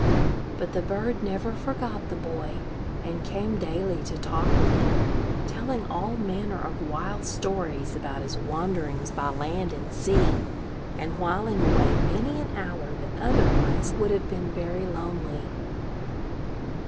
But the bird never forgot the boy, and came daily to talk with him, telling all manner of wild stories about his wanderings by land and sea, and whiling away many an hour that otherwise would have been very lonely.